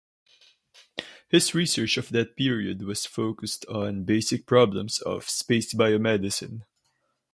His research of that period was focused on basic problems of space biomedicine.